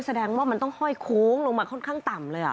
แสดงว่ามันต้องห้อยโค้งลงมาค่อนข้างต่ำเลย